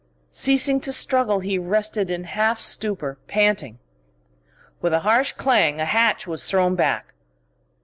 Ceasing to struggle, he rested in half stupour, panting. With a harsh clang a hatch was thrown back.